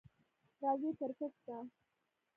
راځئ کریکټ ته!